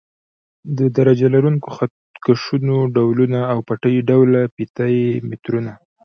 د درجه لرونکو خط کشونو ډولونه او پټۍ ډوله فیته یي مترونه.